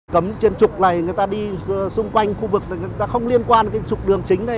cấm trên trục này người ta đi xung quanh khu vực người ta không liên quan cái trục đường chính đây